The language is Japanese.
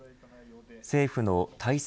政府の対策